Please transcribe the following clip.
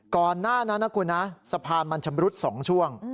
ก่อนหน้านั้นนะคุณนะสะพานมันชำรุด๒ช่วง